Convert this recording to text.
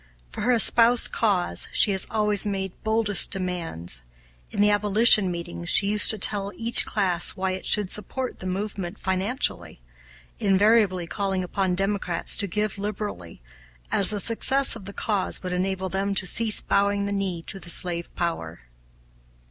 For her espoused cause she has always made boldest demands. In the abolition meetings she used to tell each class why it should support the movement financially; invariably calling upon Democrats to give liberally, as the success of the cause would enable them to cease bowing the knee to the slave power.